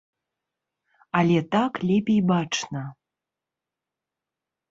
Але так лепей бачна.